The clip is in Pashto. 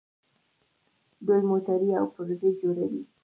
دوی موټرې او پرزې جوړوي.